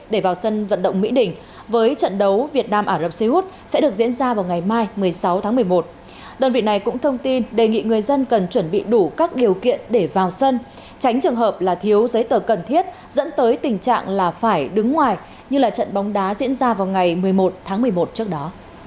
đơn vị này cũng thông tin đề nghị người dân cần chuẩn bị đủ các điều kiện để vào sân tránh trường hợp là thiếu giấy tờ cần thiết dẫn tới tình trạng là phải đứng ngoài như là trận bóng đá diễn ra vào ngày một mươi một tháng một mươi một trước đó